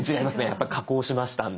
やっぱ加工しましたんで。